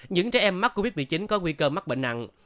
những trẻ em mắc covid một mươi chín có nguy cơ mắc bệnh nặng